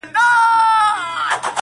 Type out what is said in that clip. چي مجبور یې قلندر په کرامت کړ!